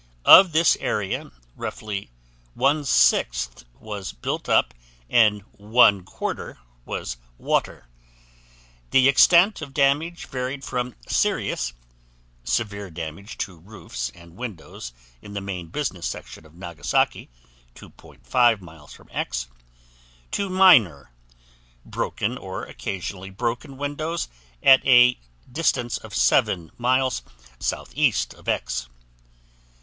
Of this area, roughly 1/6th was built up and 1/4th was water. The extent of damage varied from serious (severe damage to roofs and windows in the main business section of Nagasaki, 2.5 miles from X), to minor (broken or occasionally broken windows at a distance of 7 miles southeast of X).